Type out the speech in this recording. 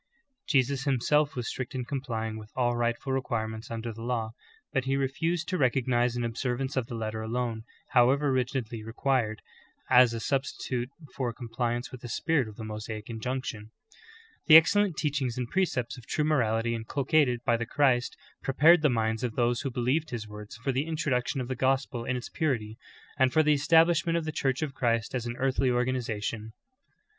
"^ 11. Jesus Himself was strict in complying with all right ful requirements under the law ; but He refused to recognize ^ Alatthew 5: 21 44; read the entire chapter. ^Matt. 5: 17, 18. f Verse 20. THE CHURCH ESTABLISHED. 5 an observance of the letter alone, however rigidly required, as a substitute for compliance v/ith the spirit of the ^Mosaic injunction. 12. The excellent teachings and precepts of true morality in culcated bv the Christ prepared the minds of those who believed His words for the introduction of the gospel in its purity, and for the establishment of the Church of Christ as an earthly organization.